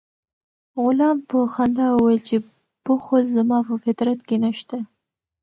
غلام په خندا وویل چې بخل زما په فطرت کې نشته.